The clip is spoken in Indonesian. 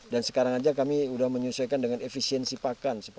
dan sekarang aja kami sudah menyesuaikan dengan efisiensi pakan